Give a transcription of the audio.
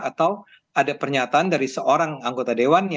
atau ada pernyataan dari seorang anggota dewan